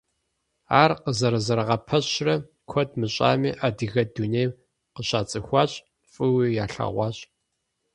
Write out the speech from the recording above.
Ар къызэрызэрагъэпэщрэ куэд мыщӏами, адыгэ дунейм къыщацӏыхуащ, фӏыуи ялъэгъуащ.